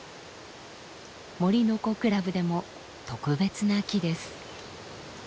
森の子クラブでも特別な木です。